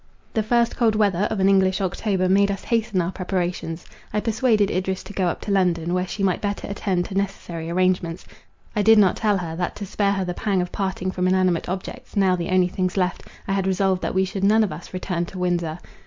The first cold weather of an English October, made us hasten our preparations. I persuaded Idris to go up to London, where she might better attend to necessary arrangements. I did not tell her, that to spare her the pang of parting from inanimate objects, now the only things left, I had resolved that we should none of us return to Windsor.